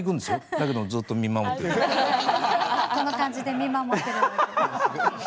だけどこの感じで見守ってるだけです。